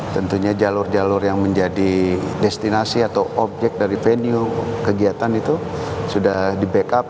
tentunya jalur jalur yang menjadi destinasi atau objek dari venue kegiatan itu sudah di backup